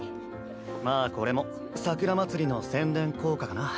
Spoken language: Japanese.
まあこれも桜まつりの宣伝効果かな。